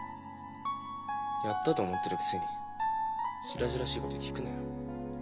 やったと思ってるくせに白々しいこと聞くなよ。